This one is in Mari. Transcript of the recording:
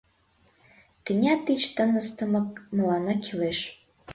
Тӱня тич тыныс тымык мыланна кӱлеш!